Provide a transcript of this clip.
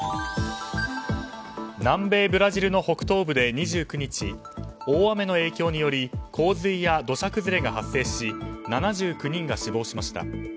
南米ブラジルの北東部で２９日大雨の影響により洪水や土砂崩れが発生し７９人が死亡しました。